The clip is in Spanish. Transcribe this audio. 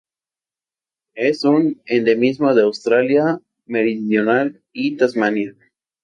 Es un endemismo de Australia Meridional y Tasmania.